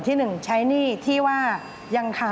ตื่นขึ้นมาอีกทีตอน๑๐โมงเช้า